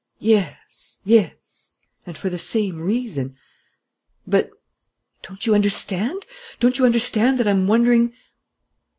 "Yes ... yes ... and for the same reason." "But ?" "Don't you understand? Don't you understand that I'm wondering